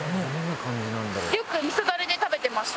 よくみそダレで食べてました。